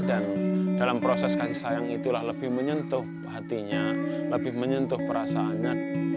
dan dalam proses kasih sayang itulah lebih menyentuh hatinya lebih menyentuh perasaannya